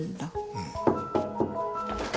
うん。